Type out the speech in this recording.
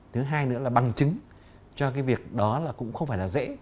thứ hai nữa là bằng chứng cho cái việc đó là cũng không phải là dễ